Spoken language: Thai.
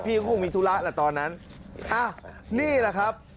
คงมีธุระแหละตอนนั้นอ่ะนี่แหละครับ